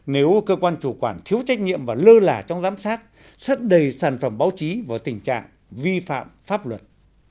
nếu cơ quan chủ quản thiếu trách nhiệm và lơ là trong giám sát sất đầy sản phẩm báo chí vào tình trạng vi phạm pháp luật